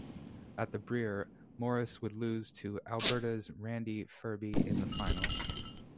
At the Brier, Morris would lose to Alberta's Randy Ferbey in the final.